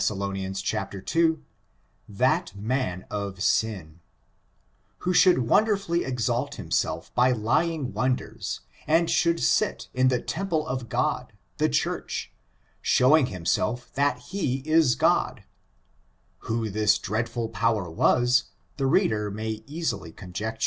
ii, " TTuU man of ain," who should wonderful ly exalt himself by lying wonders, and should sit in the temple of God — the church — showing himself that be is God: who this dreadful power was, the reader may easily conjecture.